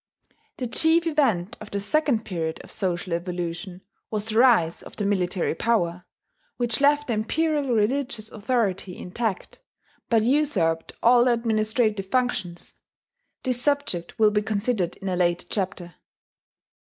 The chief event of the Second Period of the social evolution was the rise of the military power, which left the imperial religious authority intact, but usurped all the administrative functions (this subject will be considered in a later chapter).